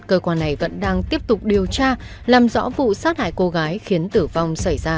cơ quan này vẫn đang tiếp tục điều tra làm rõ vụ sát hại cô gái khiến tử vong xảy ra